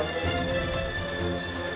udah deh boh